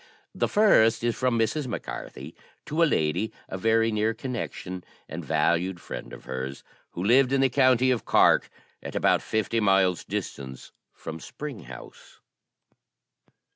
The first is from Mrs. Mac Carthy to a lady, a very near connection and valued friend of her's, who lived in the county of Cork, at about fifty miles' distance from Spring House.